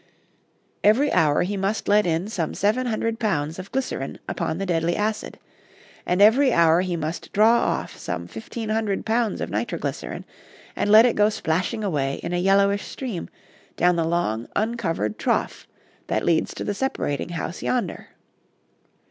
Every hour he must let in some seven hundred pounds of glycerin upon the deadly acid, and every hour he must draw off some fifteen hundred pounds of nitroglycerin and let it go splashing away in a yellowish stream down the long, uncovered trough that leads to the separating house yonder.